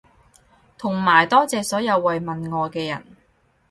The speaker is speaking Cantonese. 同埋多謝所有慰問我嘅人